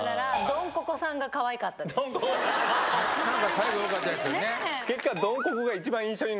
最後よかったですよね。